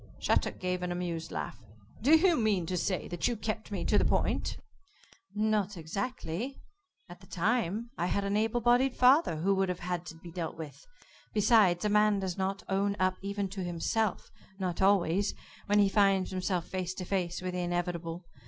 Shattuck gave an amused laugh. "Do you mean to say that you kept me to the point?" "Not exactly. At that time I had an able bodied father who would have had to be dealt with. Besides, a man does not own up even to himself not always when he finds himself face to face with the inevitable.